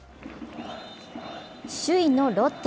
首位のロッテ。